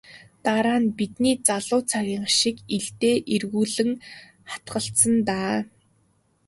Дараа нь бидний залуу цагийнх шиг илдээ эргүүлэн хатгалцсан даа.